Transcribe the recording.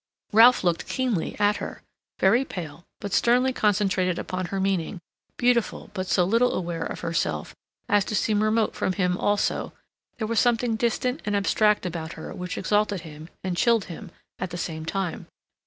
Ralph looked keenly at her. Very pale, but sternly concentrated upon her meaning, beautiful but so little aware of herself as to seem remote from him also, there was something distant and abstract about her which exalted him and chilled him at the same time.